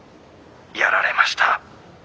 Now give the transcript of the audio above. やられました。